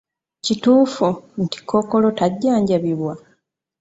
Kituufu nti kkookolo tajjanjabibwa?